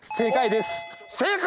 正解！